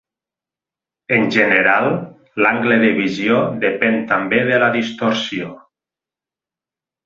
En general, l'angle de visió depèn també de la distorsió.